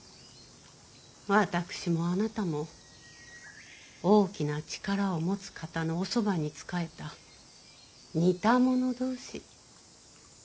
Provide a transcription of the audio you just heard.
私もあなたも大きな力を持つ方のおそばに仕えた似た者同士。